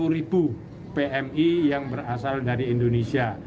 lima puluh ribu pmi yang berasal dari indonesia